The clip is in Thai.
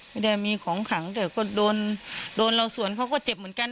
ไม่ได้มีของขังแต่ก็โดนโดนเราสวนเขาก็เจ็บเหมือนกัน